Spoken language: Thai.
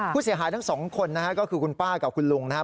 ผู้เสียหายทั้งสองคนนะฮะก็คือคุณป้ากับคุณลุงนะครับ